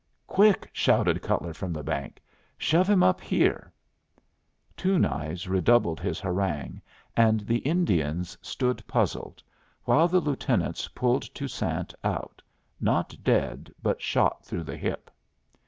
"Quick!" shouted Cutler from the bank. "Shove him up here!" Two Knives redoubled his harangue, and the Indians stood puzzled, while the lieutenants pulled Toussaint out, not dead, but shot through the hip.